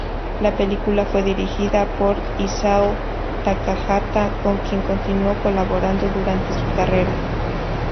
La película fue dirigida por Isao Takahata, con quien continuó colaborando durante su carrera.